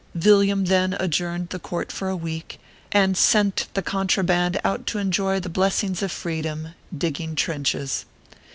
Villiam then adjourned the court for a week, and sent the contra band out to enjoy the blessings of freedom, digging trenches.